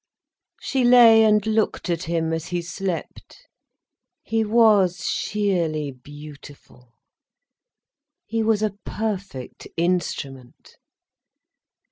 She lay and looked at him, as he slept. He was sheerly beautiful, he was a perfect instrument.